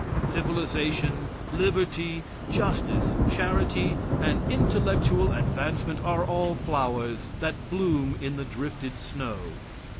Civilization, liberty, justice, charity and intellectual advancement are all flowers that bloom in the drifted snow.